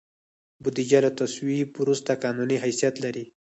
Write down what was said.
بودیجه له تصویب وروسته قانوني حیثیت لري.